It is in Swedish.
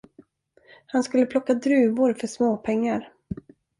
Han skulle plocka druvor för småpengar.